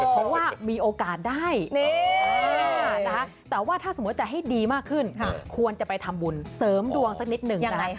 เพราะว่ามีโอกาสได้แต่ว่าถ้าสมมุติจะให้ดีมากขึ้นควรจะไปทำบุญเสริมดวงสักนิดหนึ่ง